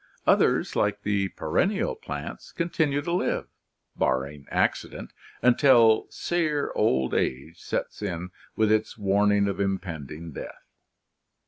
Others, like the perennial plants, con tinue to live, barring accident, until sere old age sets in with its warning of impending death.